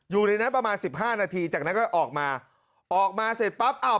อยู่ในนั้นประมาณสิบห้านาทีจากนั้นก็ออกมาออกมาเสร็จปั๊บอ้าว